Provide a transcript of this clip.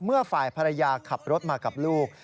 เมื่อฝ่ายภรรยาขับรถมากับลูก